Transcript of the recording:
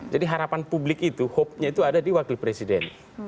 jadi harapan publik itu hopenya itu ada di wakil presiden